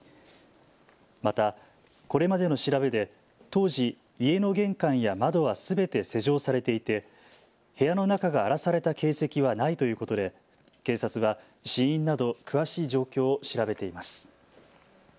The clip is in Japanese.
また、これまでの調べで当時、家の玄関や窓はすべて施錠されていて部屋の中が荒らされた形跡はないということで警察は死因など詳しい状況を調べています。